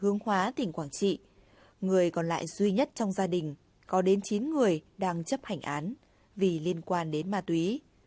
nhiều người đang chấp hành án vì liên quan đến ma túy